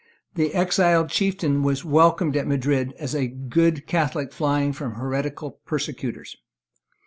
The exiled chieftain was welcomed at Madrid as a good Catholic flying from heretical persecutors.